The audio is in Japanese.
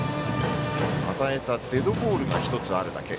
与えたデッドボールが１つあるだけ。